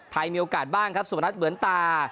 มีโอกาสบ้างครับสุพนัทเหมือนตา